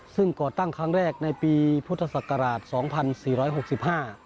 ซึ่งก่อตั้งครั้งแรกในปีพุทธศักราช๒๔๖๕